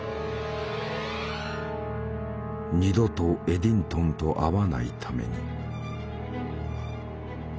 二度とエディントンと会わないために。